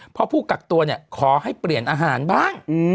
เพราะผู้กักตัวเนี่ยขอให้เปลี่ยนอาหารบ้าง